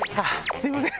すいません。